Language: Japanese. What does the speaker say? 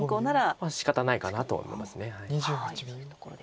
しかたないかなと思います。